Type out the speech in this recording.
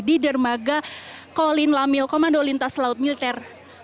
di dermaga kolin lamil komando lintas laut militer